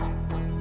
aku mau ke rumah